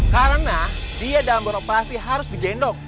karena dia dalam beroperasi harus digendong